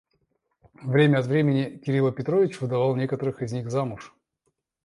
Время от времени Кирила Петрович выдавал некоторых из них замуж.